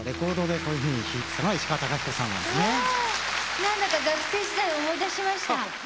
何だか学生時代思い出しました。